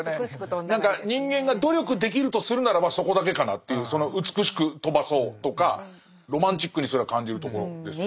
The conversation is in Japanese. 何か人間が努力できるとするならばそこだけかなっていうその美しく飛ばそうとかロマンチックにそれは感じるところです。